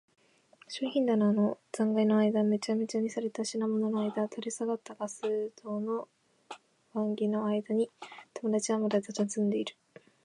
商品棚の残骸のあいだ、めちゃめちゃにされた品物のあいだ、垂れ下がったガス燈の腕木のあいだに、友人はまだたたずんでいる。